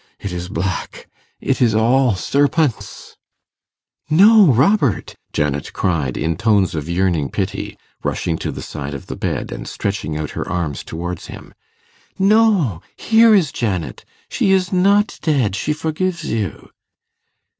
it is black ... it is all serpents ...' 'No, Robert,' Janet cried, in tones of yearning pity, rushing to the side of the bed, and stretching out her arms towards him, 'no, here is Janet. She is not dead she forgives you.